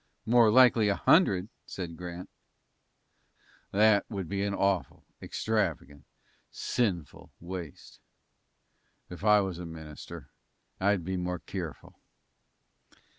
"More likely a hundred," said Grant. "That would be awful extravagant sinful waste. If I was a minister, I'd be more keerful."